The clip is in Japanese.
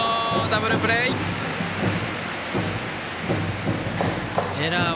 ダブルプレー！